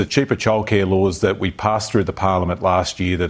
perubahan perubahan kebijakan yang kita lakukan di parlimen tahun lalu